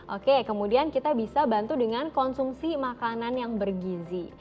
oke kemudian kita bisa bantu dengan konsumsi makanan yang bergizi